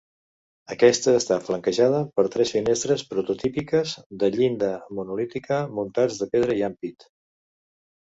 Aquesta està flanquejada per tres finestres prototípiques de llinda monolítica, muntants de pedra i ampit.